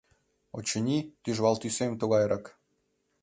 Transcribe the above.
Очыни, тӱжвал тӱсем тугайрак.